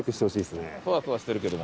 そわそわしてるけども。